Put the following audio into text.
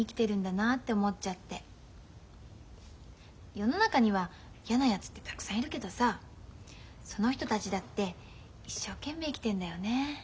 世の中には嫌なやつってたくさんいるけどさその人たちだって一生懸命生きてんだよね。